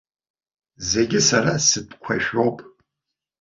Зегьы сара стәқәа шәоуп.